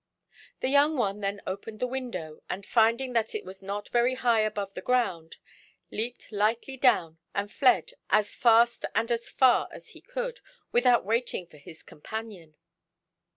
The young one then opened the window, and, finding that it was not very high above the ground, leaped lightly down and fled as fast and as far as he could, without waiting for his companion.